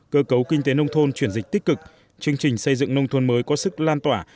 cơ cấu kinh tế nông thôn chuyển dịch tích cực chương trình xây dựng nông thôn mới có sức lan tỏa